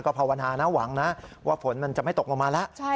ภาวนานะหวังนะว่าฝนมันจะไม่ตกลงมาแล้ว